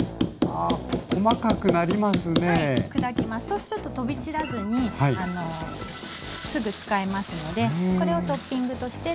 そうすると飛び散らずにすぐ使えますのでこれをトッピングとして使いますね。